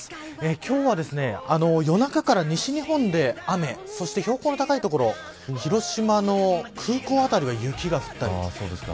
今日は夜中から西日本で雨そして標高の高い所広島の空港辺りは雪が降ったりします。